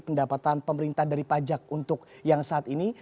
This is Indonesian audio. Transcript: pendapatan pemerintah dari pajak untuk yang saat ini